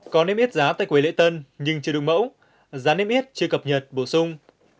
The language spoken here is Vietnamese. có niêm yết giá tại quầy lễ tân nhưng chưa được mẫu giá niêm yết chưa cập nhật bổ sung